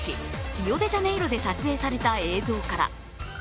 リオデジャネイロで撮影された映像から。